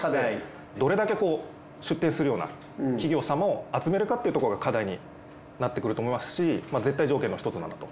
どれだけ出店するような企業様を集めるかっていうところが課題になってくると思いますし絶対条件の１つなんだと。